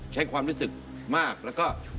ใช้ความรู้สึกมากแล้วก็